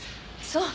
そう。